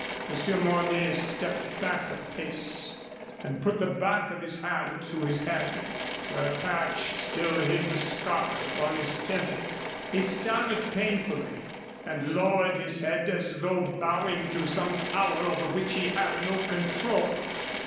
Monsieur Mornay stepped back a pace and put the back of his hand to his head where a patch still hid the scar upon his temple. He stammered painfully, and lowered his head as though bowing to some power over which he had no control.